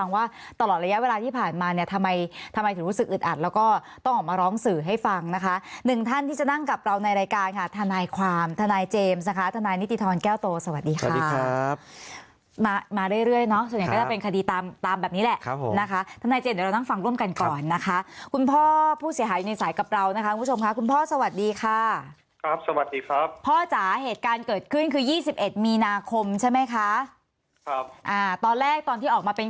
ว่าตลอดระยะเวลาที่ผ่านมาเนี่ยทำไมถึงรู้สึกอึดอัดแล้วก็ต้องออกมาร้องสื่อให้ฟังนะคะหนึ่งท่านที่จะนั่งกับเราในรายการค่ะทนายความทนายเจมส์นะคะทนายนิติธรแก้วโตสวัสดีค่ะสวัสดีครับมาเรื่อยเนอะส่วนใหญ่ก็จะเป็นคดีตามแบบนี้แหละครับผมนะคะทนายเจมส์เดี๋ยวเรานั่งฟังร่วมกันก่อนนะคะคุณพ่อผ